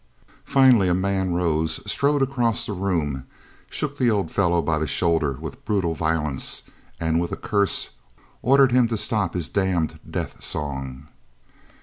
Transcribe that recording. Finally a man rose, strode across the room, shook the old fellow by the shoulder with brutal violence, and with a curse ordered him to stop his "damned death song!"